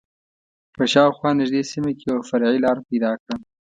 په شا او خوا نږدې سیمه کې یوه فرعي لاره پیدا کړم.